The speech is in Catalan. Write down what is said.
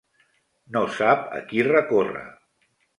No sap a qui recórrer.